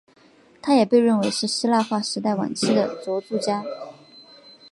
他也被认为是希腊化时代晚期的着作家。